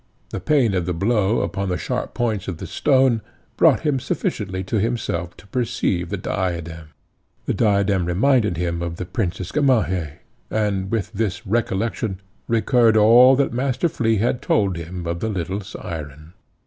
The pain of the blow upon the sharp points of the stone brought him sufficiently to himself to perceive the diadem. The diadem reminded him of the Princess Gamaheh, and with this recollection recurred all that Master Flea had told him of the little syren.